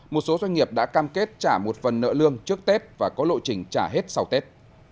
một số doanh nghiệp đã cam kết trả một phần nợ lương trước tết và có lộ trình trả hết sau tết